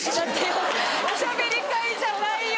おしゃべり会じゃないよ！